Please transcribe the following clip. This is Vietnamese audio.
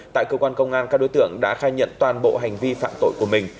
tại cơ quan công an các đối tượng đã khai nhận toàn bộ hành vi phạm tội của mình